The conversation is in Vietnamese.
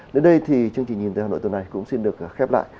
đến đây thì chương trình nhìn tới hà nội tuần này cũng xin được khép lại